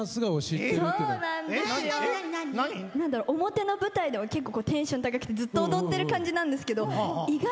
表の舞台では結構テンション高くてずっと踊ってる感じなんですけど意外と。